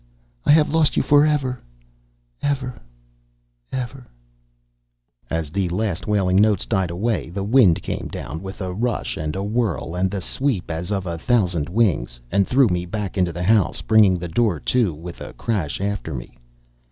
_ I have lost you for ever! ever! ever!" As the last wailing notes died away the wind came down with a rush and a whirl and the sweep as of a thousand wings, and threw me back into the house, bringing the door to with a crash after me.